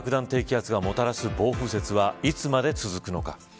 低気圧がもたらす暴風雪はいつまで続くのか。